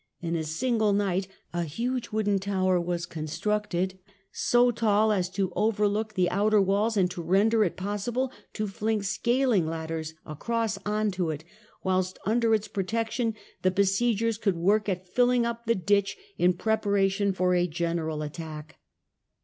In a single night a huge ba°st?on wooden tower was constructed, so tall as to overlook the outer walls and to render it possible to fling scaling ladders across on to it ; whilst under its protection the besiegers could work at filling up the ditch in prepara tion for a general attack.